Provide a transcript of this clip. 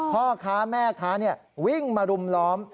พ่อค้าแม่ค้าวิ่งมารุมล้อม